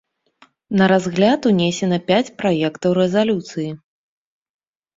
На разгляд унесена пяць праектаў рэзалюцыі.